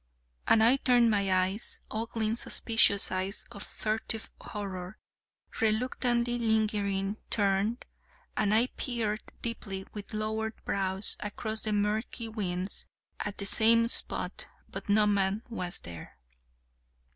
And I turned my eyes ogling, suspicious eyes of furtive horror reluctantly, lingeringly turned and I peered deeply with lowered brows across the murky winds at that same spot: but no man was there.